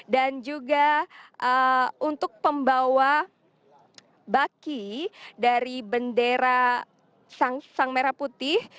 dan juga untuk pembawa baki dari bendera sang merah putih